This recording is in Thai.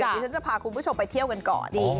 เดี๋ยวฉันจะพาคุณผู้ชมไปเที่ยวกันก่อน